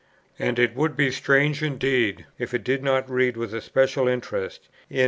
And it would be strange indeed if I did not read with a special interest, in M.